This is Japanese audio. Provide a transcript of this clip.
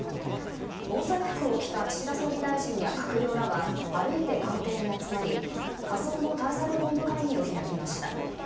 防災服を着た岸田総理大臣や閣僚らは歩いて官邸に集まり仮想の対策本部会議を開きました。